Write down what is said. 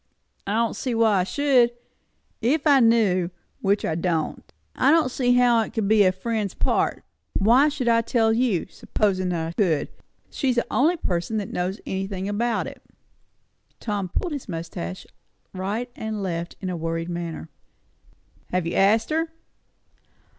"I don't see why I should, if I knew, which I don't. I don't see how it would be a friend's part. Why should I tell you, supposin' I could? She's the only person that knows anything about it." Tom pulled his moustache right and left in a worried manner. "Have you asked her?"